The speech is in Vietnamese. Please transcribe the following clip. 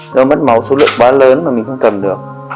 do mất máu số lượng quá lớn mà mình không cầm được